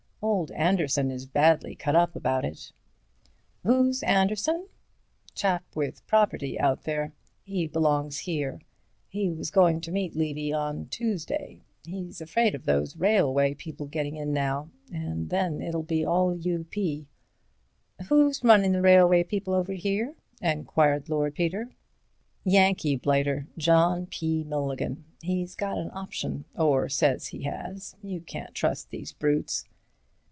Old Anderson is badly cut up about it." "Who's Anderson?" "Chap with property out there. He belongs here. He was goin' to meet Levy on Tuesday. He's afraid those railway people will get in now, and then it'll be all U. P." "Who's runnin' the railway people over here?" enquired Lord Peter. "Yankee blighter, John P. Milligan. He's got an option, or says he has. You can't trust these brutes."